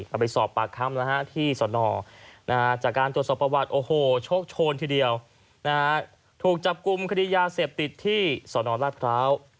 ก็ไปสอบปากคำที่สนจากการตรวจสอบประวัติโอ้โหโชคโชนทีเดียวถูกจับกลุ่มคดียาเสพติดที่สนราชพร้าว